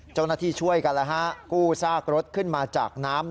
เจ้าหน้าที่ช่วยกันแล้วฮะกู้ซากรถขึ้นมาจากน้ำ